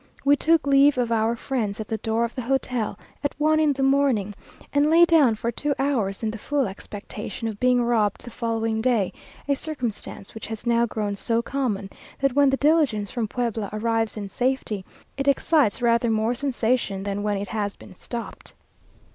We took leave of our friends at the door of the hotel, at one in the morning, and lay down for two hours, in the full expectation of being robbed the following day, a circumstance which has now grown so common, that when the diligence from Puebla arrives in safety, it excites rather more sensation than when it has been stopped.